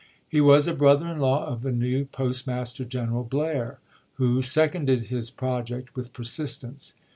He was a brother in law of the new Postmaster General Blair, who seconded his pro ject with persistence.